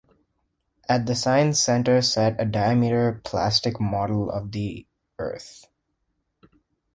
At the sign's center sat a diameter plastic model of the Earth.